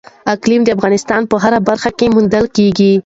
اقلیم د افغانستان په هره برخه کې موندل کېږي.